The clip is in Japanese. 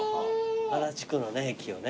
足立区のね駅をね。